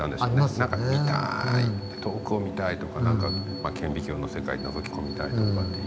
なんか「見たい」遠くを見たいとか顕微鏡の世界をのぞき込みたいとかっていう。